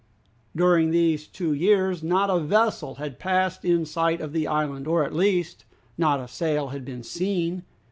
During these two years not a vessel had passed in sight of the island; or, at least, not a sail had been seen.